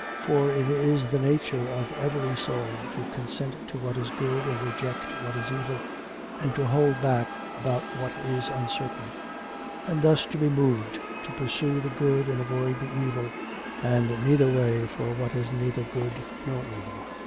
For it is the nature of every soul to consent to what is good and reject what is evil, and to hold back about what is uncertain; and thus to be moved to pursue the good and avoid the evil, and neither way for what is neither good nor evil.'